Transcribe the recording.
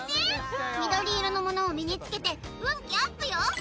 緑色のものを身につけて運気アップよ！